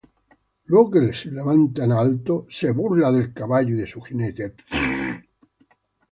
Luego que se levanta en alto, Búrlase del caballo y de su jinete.